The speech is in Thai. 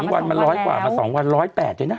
วันมัน๑๐๐กว่ามา๒วัน๑๐๘ด้วยนะ